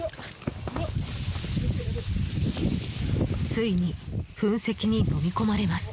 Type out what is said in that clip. ついに噴石にのみ込まれます。